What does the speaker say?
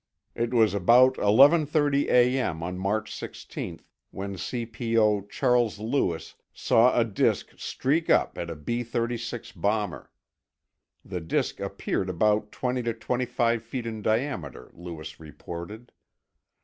It was about 11:30 A.M. on March 16 when CPO Charles Lewis saw a disk streak up at a B 36 bomber. The disk appeared about twenty to twenty five feet in diameter, Lewis reported.